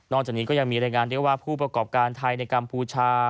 จากนี้ก็ยังมีรายงานได้ว่าผู้ประกอบการไทยในกัมพูชา